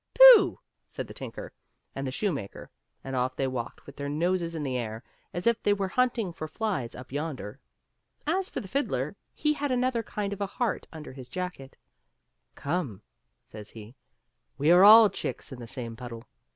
" Pooh !" says the tinker and the shoemaker, and ofif they walked with their noses in the ay as though they were hunting for flies up yonder. As for the fiddler, he had another kind of a heart under his jacket; " Come," says he, " we are all chicks in the same puddle."